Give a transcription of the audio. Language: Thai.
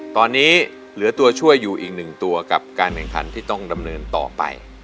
ตอนนี้เหลือตัวช่วยอยู่อีกหนึ่งตัวกับการแข่งขันที่ต้องดำเนินต่อไป